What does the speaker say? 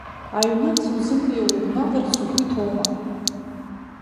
Аҩнынӡа узымнеиуа, убналарц угәы иҭоума?!